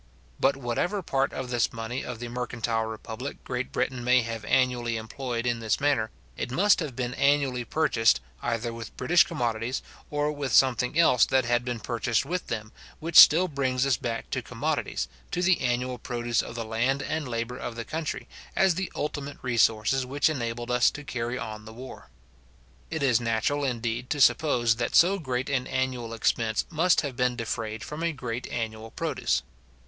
But whatever part of this money of the mercantile republic Great Britain may have annually employed in this manner, it must have been annually purchased, either with British commodities, or with something else that had been purchased with them; which still brings us back to commodities, to the annual produce of the land and labour of the country, as the ultimate resources which enabled us to carry on the war. It is natural, indeed, to suppose, that so great an annual expense must have been defrayed from a great annual produce.